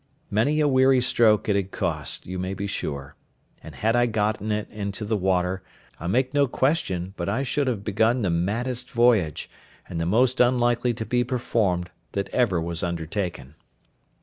Many a weary stroke it had cost, you may be sure; and had I gotten it into the water, I make no question, but I should have begun the maddest voyage, and the most unlikely to be performed, that ever was undertaken.